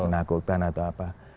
menakutan atau apa